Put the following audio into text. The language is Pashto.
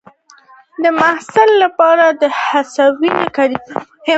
د محصل لپاره د هڅونې کلمې مهمې دي.